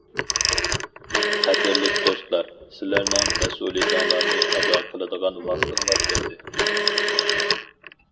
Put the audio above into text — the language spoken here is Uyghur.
قەدىرلىك دوستلار، سىلەرنىڭ مەسئۇلىيىتىڭلارنى ئادا قىلىدىغان ۋاقتىڭلار كەلدى!